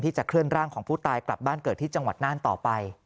จะเคลื่อนร่างของผู้ตายกลับบ้านเกิดที่จังหวัดน่านต่อไป